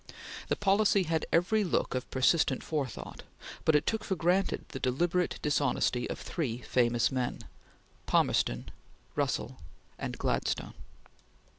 The policy had every look of persistent forethought, but it took for granted the deliberate dishonesty of three famous men: Palmerston, Russell, and Gladstone.